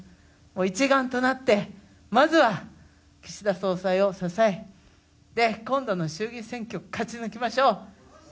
一丸となって、まずは岸田総裁を支え、今度の衆議院選挙勝ち抜きましょう。